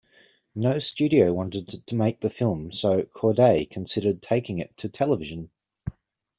No studio wanted to make the film, so Corday considered taking it to television.